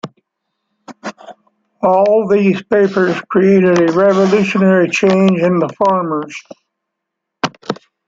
All these papers created a revolutionary change in the farmers.